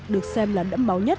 được xem là đẫm máu nhất